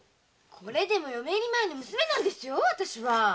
これでも嫁入り前の娘なんですよ。